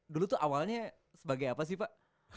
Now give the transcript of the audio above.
dulu tuh awalnya sebagai apa sih pak